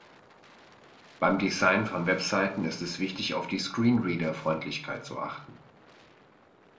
Beim Design von Webseiten ist es wichtig, auf die Screenreader-Freundlichkeit zu achten.